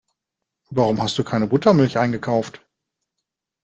Warum hast du keine Buttermilch eingekauft?